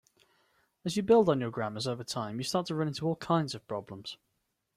As you build on your grammars over time, you start to run into all kinds of problems.